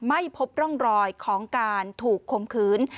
ไม่พบร่องรอยของการถูกคมคืน